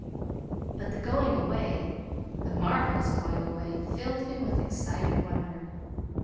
But the going away the marvelous going away filled him with excited wonder.